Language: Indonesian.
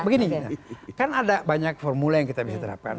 begini kan ada banyak formula yang kita bisa terapkan